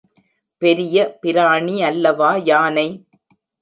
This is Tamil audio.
பெரிய பிராணி அல்லவா யானை?